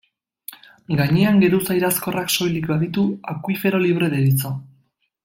Gainean geruza irazkorrak soilik baditu, akuifero libre deritzo.